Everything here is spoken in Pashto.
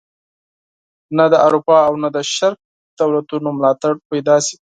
نه د اروپا او نه د شرق دولتونو ملاتړ پیدا شي.